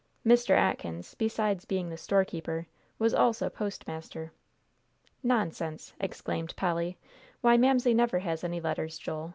Mr. Atkins, besides being the storekeeper, was also postmaster. "Nonsense!" exclaimed Polly; "why, Mamsie never has any letters, Joel.